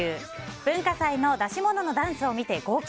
文化祭の出し物のダンスを見て号泣。